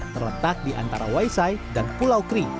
terletak di antara waisai dan pulau kri